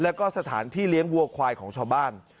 แล้วก็สถานที่เลี้ยงวัวควายของชาวบ้าน